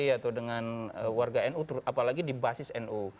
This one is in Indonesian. atau dengan warga nu apalagi di basis nu